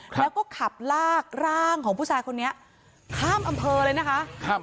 แล้วก็ขับลากร่างของผู้ชายคนนี้ข้ามอำเภอเลยนะคะครับ